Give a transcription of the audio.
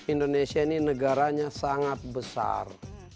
indonesia ini negaranya sangat besar